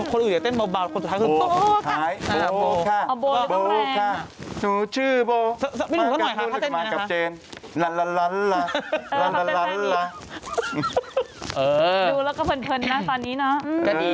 คนอื่นจะเต้นเบาคนสุดท้ายจะกัก